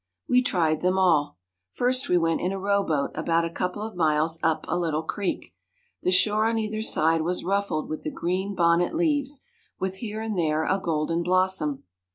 We tried them all. First we went in a row boat about a couple of miles up a little creek. The shore on either side was ruffled with the green bonnet leaves, with here and there a golden blossom.